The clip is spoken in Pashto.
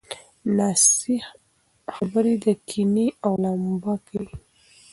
ناصحيح خبرې د کینې اور لمبه کوي.